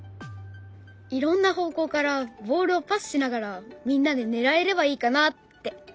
いろんな方向からボールをパスしながらみんなでねらえればいいかなって。